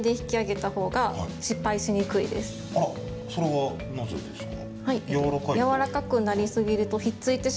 あら、それはなぜですか？